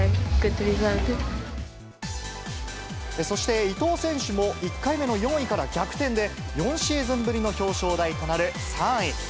そして、伊藤選手も１回目の４位から逆転で、４シーズンぶりの表彰台となる３位。